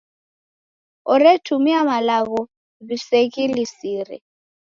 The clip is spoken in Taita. Oretumia malagho w'iseghilisire.